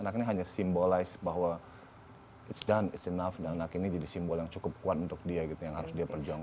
anak ini hanya simbolize bahwa it's done it's enough dan anak ini jadi simbol yang cukup kuat untuk dia gitu yang harus dia perjuangan